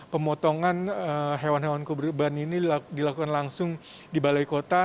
pemotongan hewan hewan kurban ini dilakukan langsung di balai kota